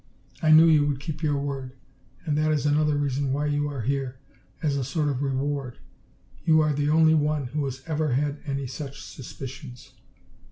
I knew you would keep your word, and that is another reason why you are here as a sort of reward. You are the only one who has ever had any such suspicions."